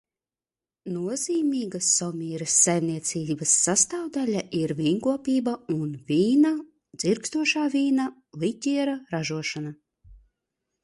Nozīmīga Somīras saimniecības sastāvdaļa ir vīnkopība un vīna, dzirkstošā vīna, liķiera ražošana.